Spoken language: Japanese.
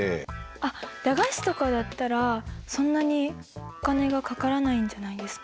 あっ駄菓子とかだったらそんなにお金がかからないんじゃないですか。